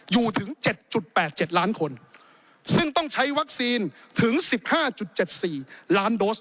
อยู่ถึง๗๘๗ล้านคนซึ่งต้องใช้วัคซีนถึง๑๕๗๔ล้านโดส